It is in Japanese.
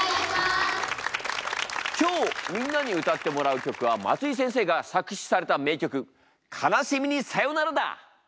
今日みんなに歌ってもらう曲は松井先生が作詞された名曲「悲しみにさよなら」だ。